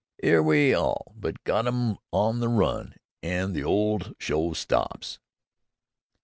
'Ere we all but got 'em on the run an' the 'ole show stops!"